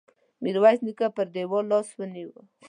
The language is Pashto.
ميرويس نيکه پر دېوال لاس ونيو.